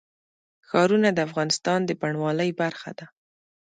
ښارونه د افغانستان د بڼوالۍ برخه ده.